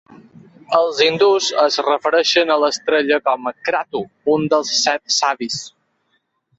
Els hindús es refereixen a l'estrella com a "Kratu", un dels set savis.